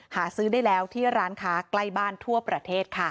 หาซื้อได้แล้วที่ร้านค้าใกล้บ้านทั่วประเทศค่ะ